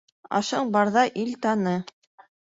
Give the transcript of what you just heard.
Ашың барҙа ил таны.